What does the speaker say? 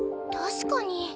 確かに。